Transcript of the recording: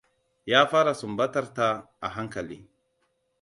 Ya fara sumbatar ta a hankali.